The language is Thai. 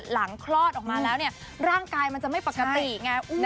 หลังคลอดออกมาแล้วเนี่ยร่างกายมันจะไม่ปกติไงอ้วนอยู่ไหน